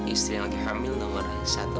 istri yang lagi hamil nomor satu